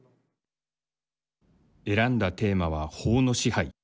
選んだテーマは法の支配。